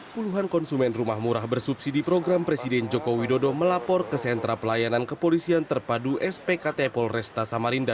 puluhan konsumen rumah murah bersubsidi program presiden joko widodo melapor ke sentra pelayanan kepolisian terpadu spkt polresta samarinda